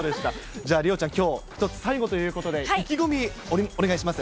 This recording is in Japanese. じゃあ梨央ちゃん、きょう一つ、最後ということで、意気込み、お願いします。